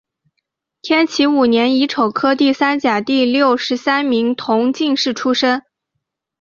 天启五年乙丑科第三甲第六十三名同进士出身。